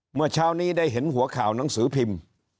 เมื่อเช้านี้ได้เห็นหัวข่าวหนังสือพิมพ์